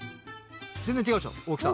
全然違うでしょ大きさ。